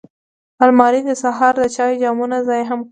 الماري د سهار د چای جامونو ځای هم ګرځي